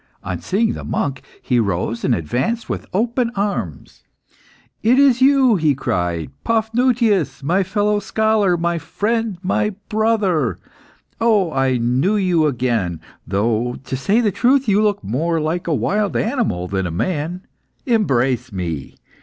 On seeing the monk, he rose and advanced with open arms. "It is you!" he cried, "Paphnutius, my fellow scholar, my friend my brother! Oh, I knew you again, though, to say the truth, you look more like a wild animal than a man. Embrace me.